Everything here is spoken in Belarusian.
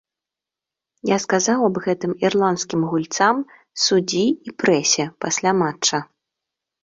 Я сказаў аб гэтым ірландскім гульцам, суддзі і прэсе пасля матча.